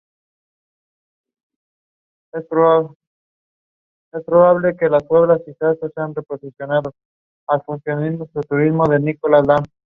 Sus narrativas personales escritas de la historia son estudiadas hoy por su autenticidad.